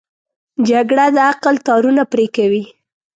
جګړه د عقل تارونه پرې کوي